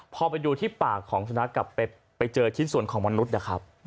พอไปดูที่ปากของสุนัขกับไปเจอชิ้นส่วนของมนุษย์นะครับ